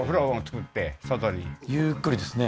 そうゆっくりですね